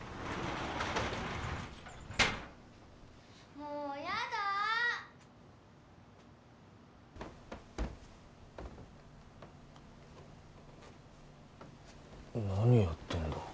・もうヤダ何やってんだ？